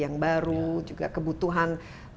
yang baru juga kebutuhan